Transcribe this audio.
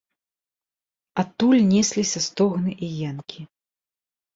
Адтуль несліся стогны і енкі.